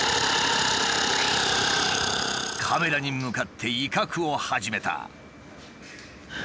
カメラに向かって威嚇を始めた。